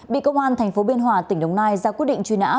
bị công an tp biên hòa tỉnh đồng nai ra quyết định truy nã